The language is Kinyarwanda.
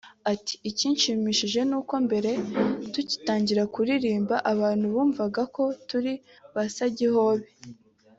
ati “Icyinshimisha nuko mbere tugitangira kuririmba abantu bumvaga ko turi basagihobe